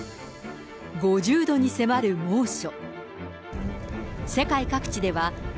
５０度に迫る猛暑。